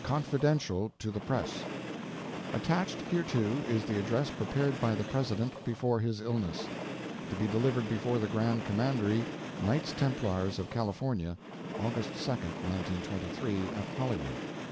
"Confidential to the Press : "Attached hereto is the address prepared by the President before his illness, to be delivered before the Grand Commandery, Knights Templars of California, August 2, 1923, at Hollywood.